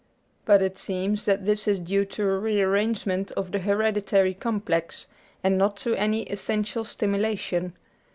But it seems that this is due to a re arrangement of the hereditary complex, and not to any essential stimulation.